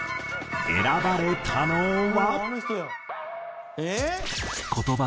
選ばれたのは。